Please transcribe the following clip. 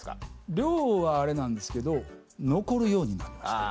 量はあれなんですけど残るようになりました。